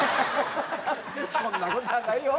そんな事はないよ。